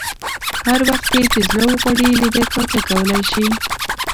هر وخت یې چې زړه وغواړي لیده کاته کولای شي.